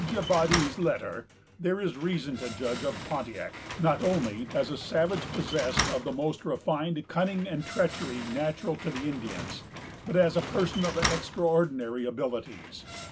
D'Abbadie's letter, there is reason to judge of Pontiac, not only as a savage possessed of the most refined cunning and treachery natural to the Indians, but as a person of extraordinary abilities.